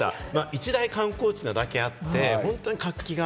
一大観光地なだけあって、本当に活気が